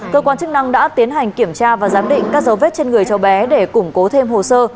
cơ quan chức năng đã tiến hành kiểm tra và giám định các dấu vết trên người cháu bé để củng cố thêm hồ sơ